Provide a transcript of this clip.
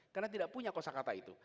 karena tidak punya kosa kata itu